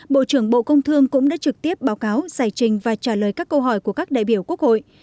bộ trưởng bộ công thương cũng đã trực tiếp báo cáo giải trình và trả lời các câu hỏi của các đại biểu quốc hội